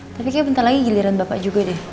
tapi kayaknya bentar lagi giliran bapak juga deh